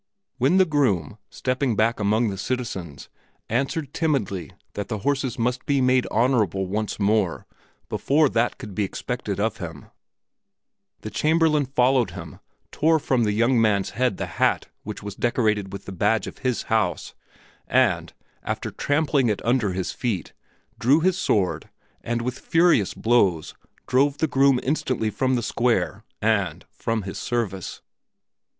When the groom, stepping back among the citizens, answered timidly that the horses must be made honorable once more before that could be expected of him, the Chamberlain followed him, tore from the young man's head the hat which was decorated with the badge of his house, and, after trampling it under his feet, drew his sword and with furious blows drove the groom instantly from the square and from his service.